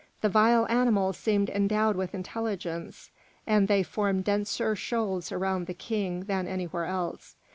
The vile animals seemed endowed with intelligence, and they formed denser shoals around the King than anywhere else.